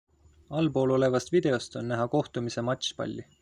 Allpool olevast videost on näha kohtumise matšpalli.